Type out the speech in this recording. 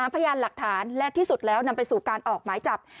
พยานหลักฐานและที่สุดแล้วนำไปสู่การออกหมายจับ